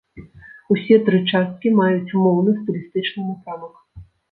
Усе тры часткі маюць умоўны стылістычны напрамак.